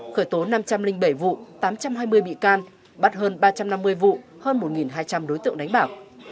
khởi tố năm trăm linh bảy vụ tám trăm hai mươi bị can bắt hơn ba trăm năm mươi vụ hơn một hai trăm linh đối tượng đánh bảo